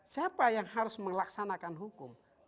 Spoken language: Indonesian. siapa yang harus melaksanakan hukum